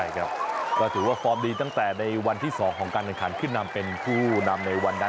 ใช่ครับก็ถือว่าฟอร์มดีตั้งแต่ในวันที่๒ของการแข่งขันขึ้นนำเป็นผู้นำในวันนั้น